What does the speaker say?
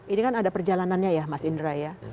ini kan ada perjalanannya ya mas indra ya